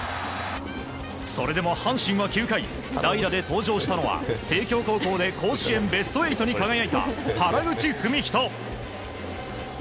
それでも阪神は９回代打で登場したのは帝京高校で甲子園ベスト８に輝いた原口文仁。